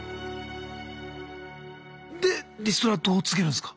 でリストラどう告げるんすか？